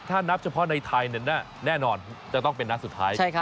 ถ้านับเฉพาะในไทยแน่นอนจะต้องเป็นนัดสุดท้าย